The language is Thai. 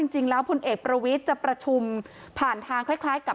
พลเอกประวิทย์จะประชุมผ่านทางคล้ายกับ